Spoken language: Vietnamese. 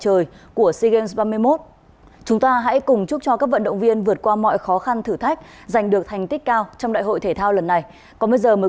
thưa quý vị sau gần hai thập kỷ việt nam chính thức đăng cai đại hội thể thao lớn nhất đông nam á sea games ba mươi một